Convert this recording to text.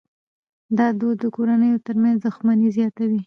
دا دود د کورنیو ترمنځ دښمني زیاتوي.